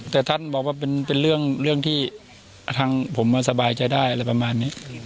แต่ท่านบอกว่าเป็นเรื่องที่ทางผมสบายใจได้อะไรประมาณนี้